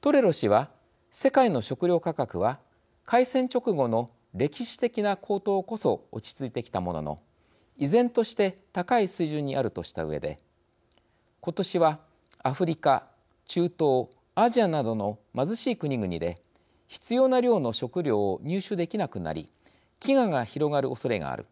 トレロ氏は「世界の食料価格は開戦直後の歴史的な高騰こそ落ち着いてきたものの依然として高い水準にある」としたうえで「今年は、アフリカ、中東アジアなどの貧しい国々で必要な量の食料を入手できなくなり飢餓が広がるおそれがある」